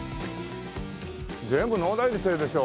全部農大生でしょ。